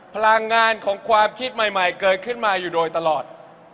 พลังงานของความคิดใหม่เกิดขึ้นมาอยู่โดยตลอด